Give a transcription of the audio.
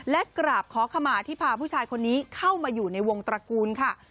และกราบขอขมาที่พาผู้ชายคนนี้เข้ามาอยู่ในวงตระกูลค่ะ